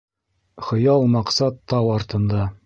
Хыял-маҡсат тау артында